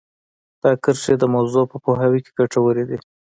دا کرښې د موضوع په پوهاوي کې ګټورې دي